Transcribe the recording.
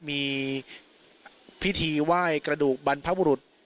มีพิธีไหว้กระดูกบรรพบุรุษ